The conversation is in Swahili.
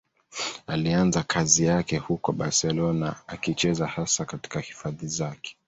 Alianza kazi yake huko Barcelona, akicheza hasa katika hifadhi zake.